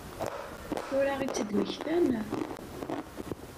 Tura i tt-id-mmektan?